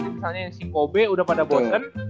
misalnya yang shin kobe udah pada bosen